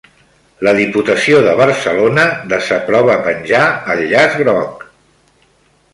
La Diputació de Barcelona desaprova penjar el llaç groc